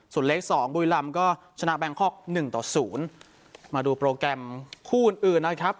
ส่วนเลขสองบุรีรำก็ชนะแบงคอกหนึ่งต่อศูนย์มาดูโปรแกรมคู่อื่นอื่นนะครับ